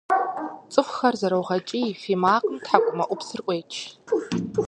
Цӏыхухэр зэрогъэкӏий, фий макъым тхьэкӏумэӏупсыр ӏуеч.